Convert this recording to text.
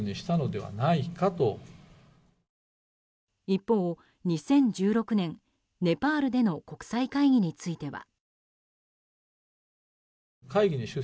一方、２０１６年ネパールでの国際会議については。